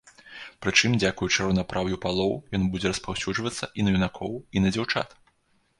Прычым дзякуючы раўнапраўю палоў ён будзе распаўсюджвацца і на юнакоў, і на дзяўчат.